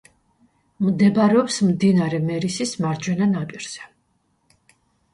მდებარეობს მდინარე მერისის მარჯვენა ნაპირზე.